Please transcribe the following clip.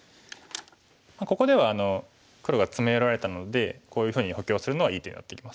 ここでは黒が詰め寄られたのでこういうふうに補強するのはいい手になってきます。